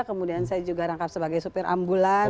kemudian saya juga rangkap sebagai supir ambulan